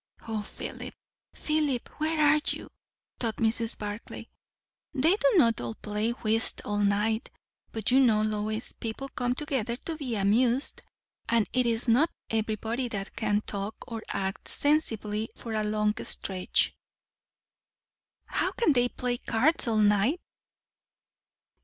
(O Philip, Philip, where are you? thought Mrs. Barclay.) "They do not all play whist all night. But you know, Lois, people come together to be amused; and it is not everybody that can talk, or act, sensibly for a long stretch." "How can they play cards all night?"